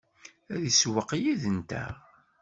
Ad isewweq yid-nteɣ?